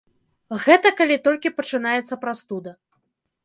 Гэта калі толькі пачынаецца прастуда.